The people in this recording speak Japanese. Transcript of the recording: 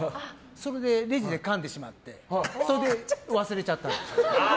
そこでレジでかんでしまって忘れちゃったんです。